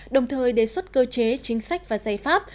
đồng thời đề xuất cơ chế chính sách và giải pháp